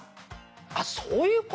「あっそういう事！